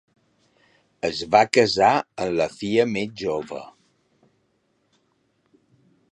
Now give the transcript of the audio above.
Es va casar amb la filla més jove.